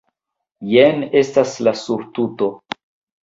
jen estas la surtuto!